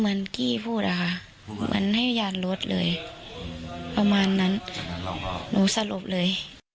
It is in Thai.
มันกลี้พูดว่าค่ะมันให้ยานรถเลยประมานนั้นหนูสรุปเลย